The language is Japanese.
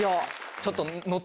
ちょっと。